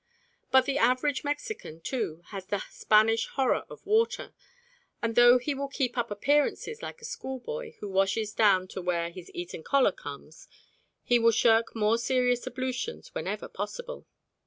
But the average Mexican, too, has the Spanish horror of water, and though he will keep up appearances like a schoolboy who washes down to where his Eton collar comes, he will shirk more serious ablutions whenever possible.